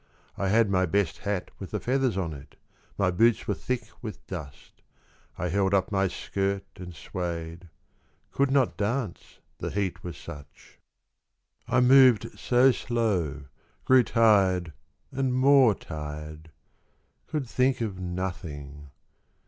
I had my best hat with the feathers on it ; My boots were thick with dust, I held up my skirt and swayed, Could not dance, the heat was such. 39 The Feathered Hat. I moved so slow, grew tired and more tired, — Could think of nothing.